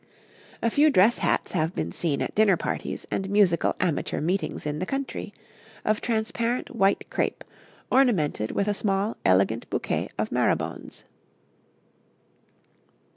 'A few dress hats have been seen at dinner parties and musical amateur meetings in the country, of transparent white crape, ornamented with a small elegant bouquet of marabones.